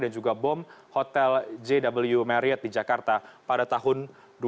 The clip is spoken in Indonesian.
dan juga bom hotel jw marriott di jakarta pada tahun dua ribu tiga